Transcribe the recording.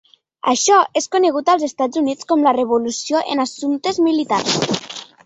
Això és conegut als Estats Units com la Revolució en Assumptes Militars.